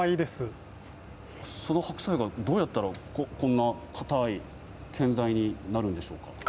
その白菜がどうやったらこんな硬い建材になるんでしょうか。